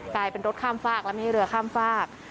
กลายเป็นรถข้ามฟากแล้วไม่ให้เรือข้ามฝาก